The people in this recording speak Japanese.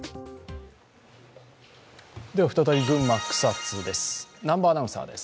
再び群馬・草津です。